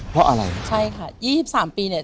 เพราะอะไรใช่ค่ะ๒๓ปีเนี่ย